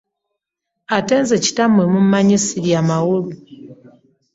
Ate nze kitammwe mummanyi ssirya mawolu.